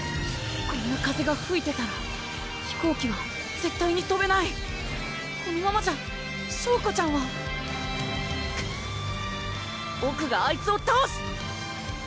こんな風がふいてたら飛行機は絶対にとべないこのままじゃ翔子ちゃんはクッボクがあいつをたおす！